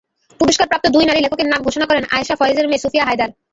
পুরস্কারপ্রাপ্ত দুই নারী লেখকের নাম ঘোষণা করেন আয়েশা ফয়েজের মেয়ে সুফিয়া হায়দার।